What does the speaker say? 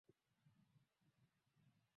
Kwa kuwa Tanzania imepata mvua kwa kipindi kirefu